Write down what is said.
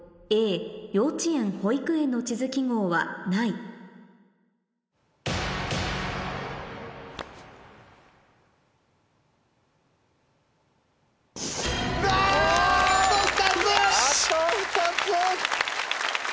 幼稚園・保育園の地図記号はないお！